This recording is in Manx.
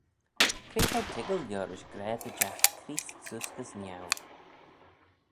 Cre t'ou toiggal liorish gra dy jagh Creest seose gys niau?